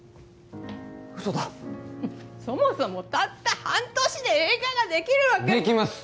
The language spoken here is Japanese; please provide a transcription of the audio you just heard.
嘘だそもそもたった半年で映画ができるわけできます